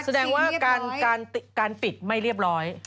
แสดงว่าการปิดไม่เรียบร้อย